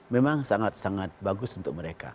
memang sangat sangat bagus untuk mereka